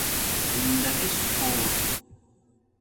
زندگݵس کوٹ